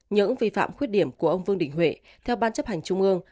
những vi phạm khuyết điểm của ông vương đình huệ theo ban chấp hành trung ương